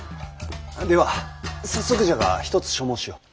では早速じゃが一つ所望しよう。